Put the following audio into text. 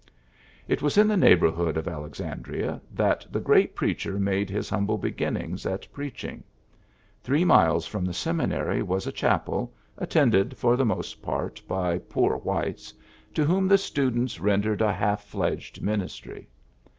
It was in the neighborhood of Alexan dria that the great preacher made his humble beginnings at preaching. Three miles from the seminary was a chapel, attended for the most part by ^^poor PHILLIPS BROOKS 19 whites," to whom the students rendered a half fledged ministry.